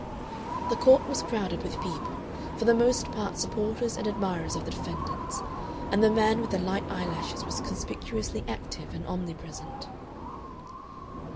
The court was crowded with people, for the most part supporters and admirers of the defendants, and the man with the light eyelashes was conspicuously active and omnipresent.